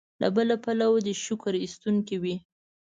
له بل پلوه دې شکر ایستونکی وي.